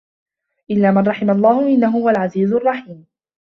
إِلّا مَن رَحِمَ اللَّهُ إِنَّهُ هُوَ العَزيزُ الرَّحيمُ